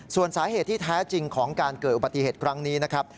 ส่วนสาเหตุที่แท้จริงของการเกิดอุบัติเหตุครั้งนี้นะครับ